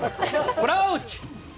クラウチ！